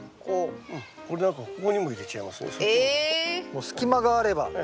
もう隙間があれば。